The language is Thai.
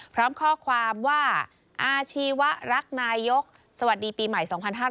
พร้อมข้อความว่าอาชีวะรักนายกสวัสดีปีใหม่๒๕๕๙